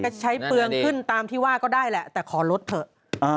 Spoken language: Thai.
ก็ใช้เปลืองขึ้นตามที่ว่าก็ได้แหละแต่ขอลดเถอะ